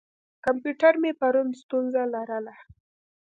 کمپیوټر مې پرون ستونزه لرله.